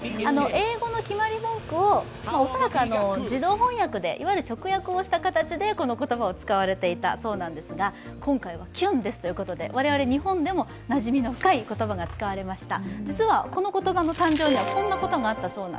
英語の決まり文句を恐らく自動翻訳でいわゆる直訳をした形でこの言葉を使われていたそうですが今回は「キュンです」ということで我々日本でもなじみの深い言葉が使われました。